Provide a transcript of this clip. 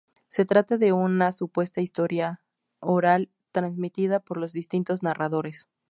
Se trata de una supuesta historia oral transmitida por los distintos narradores.